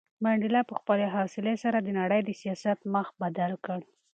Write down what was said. منډېلا په خپلې حوصلې سره د نړۍ د سیاست مخ بدل کړ.